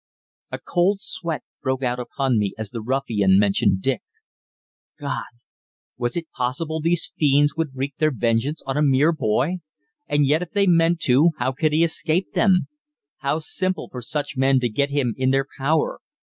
A cold sweat broke out upon me as the ruffian mentioned Dick. God! Was it possible these fiends would wreak their vengeance on a mere boy? And yet if they meant to, how could he escape them? How simple for such men to get him in their power.